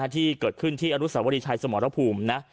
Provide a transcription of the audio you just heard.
ที่เกิดขึ้นที่อนุสาวรีชัยสมรภูมินะ